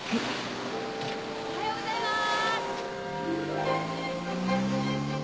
おはようございます！